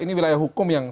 ini wilayah hukum yang